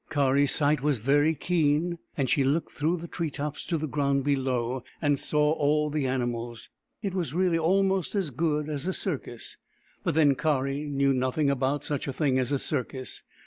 Kari's sight was very keen, and she looked through the tree tops to the ground below and saw all the animals. It was really almost as good as a circus, but then Kari knew nothing about such a thing as a circus.